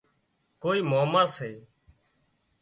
ڪوئي ماما سي